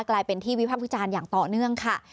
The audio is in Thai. กลายเป็นที่วิพากษ์วิจารณ์อย่างต่อเนื่องค่ะ